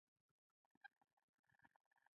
د تومور ښه یا بد وي.